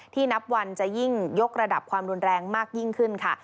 นับวันจะยิ่งยกระดับความรุนแรงมากยิ่งขึ้นค่ะ